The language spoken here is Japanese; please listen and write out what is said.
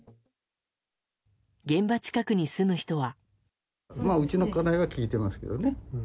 現場近くに住む人は。